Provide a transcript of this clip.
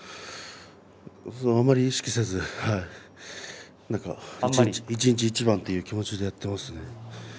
あんまり意識せずに、はい一日一番という気持ちでやっています。